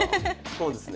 こうですね？